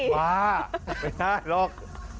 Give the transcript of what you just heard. ป้าไม่ได้หรอก